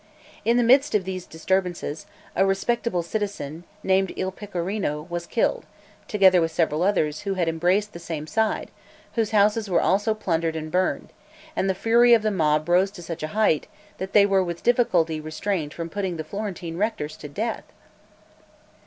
In the midst of these disturbances, a respectable citizen, named Il Pecorino, was killed, together with several others, who had embraced the same side, whose houses were also plundered and burned; and the fury of the mob rose to such a height, that they were with difficulty restrained from putting the Florentine rectors to death.